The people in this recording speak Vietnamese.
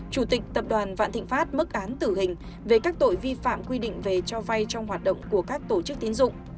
chủ tịch tập đoàn vạn thịnh pháp mức án tử hình về các tội vi phạm quy định về cho vay trong hoạt động của các tổ chức tín dụng